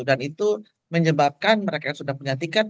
dan itu menyebabkan mereka yang sudah punya tiket